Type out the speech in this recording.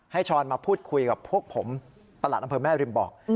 ช้อนมาพูดคุยกับพวกผมประหลัดอำเภอแม่ริมบอก